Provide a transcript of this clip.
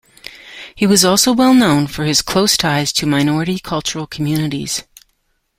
He was also well known for his close ties to minority "cultural communities".